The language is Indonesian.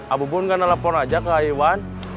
abubun nggak nelfon aja ke iwan